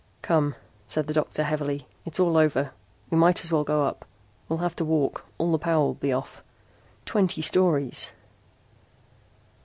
"Come," said the doctor heavily. "It's all over. We might as well go up. We'll have to walk. All power will be off. Twenty stories!"